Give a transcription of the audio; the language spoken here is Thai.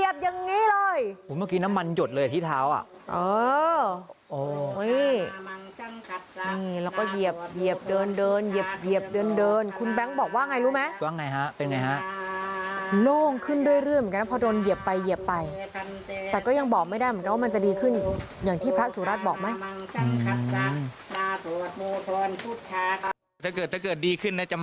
อยากชวนคนที่บ้านเราบ้างไหม